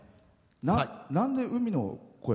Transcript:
なんで、「海の声」。